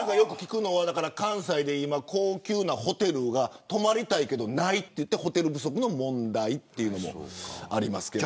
関西で今高級なホテルが泊まりたいけどないといってホテル不足の問題というのもありますけど。